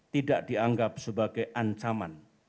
tidak dianggap sebagai ancaman